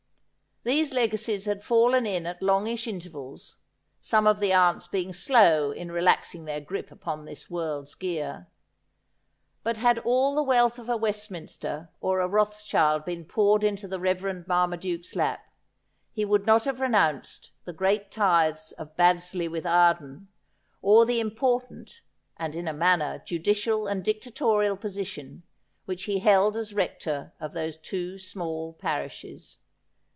These lega cies had fallen in at longish intervals, some of the aunts being slow in relaxing their grip upon this world's gear ; but had all the wealth of a Westminster or a Rothschild been poured into the Reverend Marmaduke's lap, he would not have renounced the great tithes of Baddesley with Arden, or the important, and, in a manner, judicial and dictatorial position which he held as Rector of those two small parishes.